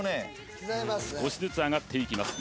少しずつ上がっていきます